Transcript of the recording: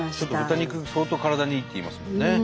豚肉相当体にいいっていいますもんね。